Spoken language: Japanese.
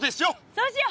そうしよう！